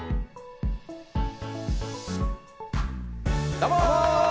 どうも！